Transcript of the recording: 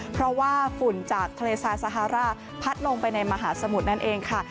เพราะว่าฝุ่นจากทะเลซาซาฮาร่าพัดลงไปในมหาสมุทรนั่นเองค่ะ